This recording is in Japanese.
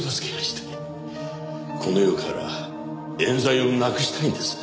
この世から冤罪をなくしたいんです。